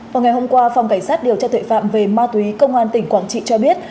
vào ngày hôm qua phòng cảnh sát điều tra tuệ phạm về ma túy công an tỉnh quảng trị cho biết